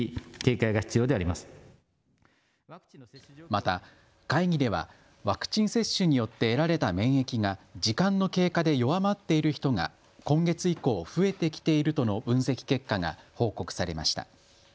また会議では、ワクチン接種によって得られた免疫が時間の経過で弱まっている人が今月以降、増えてきているとの分析結果が報告されました。